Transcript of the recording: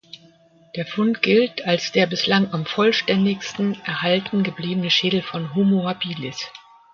Der Fund gilt als der bislang am vollständigsten erhalten gebliebene Schädel von "Homo habilis".